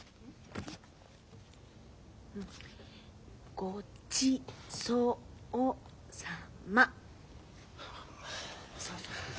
「ごちそうさま」。